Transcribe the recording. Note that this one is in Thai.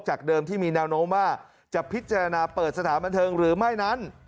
เดิมที่มีแนวโน้มว่าจะพิจารณาเปิดสถานบันเทิงหรือไม่นั้น